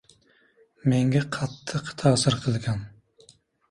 Menga qattiq ta’sir qilgan